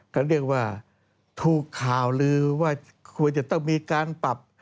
ก็เรียกว่าถูกข่าวลือว่าควรจะต้องมีการปรับ